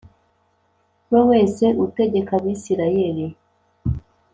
We wese utegeka abisirayeli